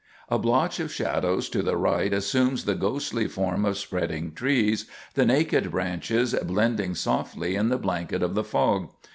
A blotch of shadows to the right assumes the ghostly form of spreading trees, the naked branches blending softly in the blanket of the fog.